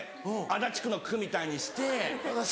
足立区の区みたいに。